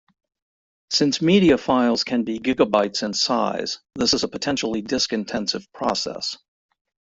Since media files can be gigabytes in size, this is a potentially disk-intensive process.